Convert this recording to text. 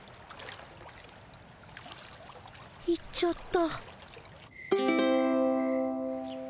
行っちゃった。